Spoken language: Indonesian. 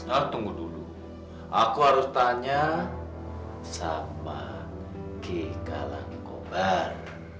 mas tunggu dulu aku harus tanya sama gk langkobar